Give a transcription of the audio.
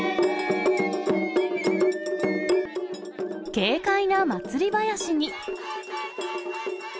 軽快な祭囃子に。